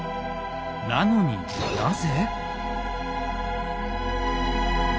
なのになぜ？